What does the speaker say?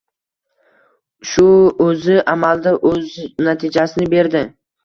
Shu o'zi amalda oʻz natijasini berdi.